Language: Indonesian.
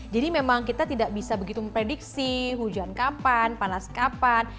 jadi memang kita tidak bisa begitu memprediksi hujan kapan panas kapan